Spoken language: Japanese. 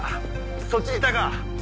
そっちにいたか？